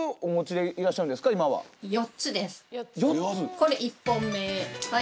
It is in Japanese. これ１本目はい